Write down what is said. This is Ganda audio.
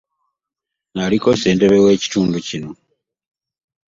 Naliko ssentebe wekitundu kino.